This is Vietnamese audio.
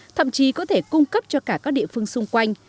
thậm chí có thể cung cấp cho cả các địa phương xung quanh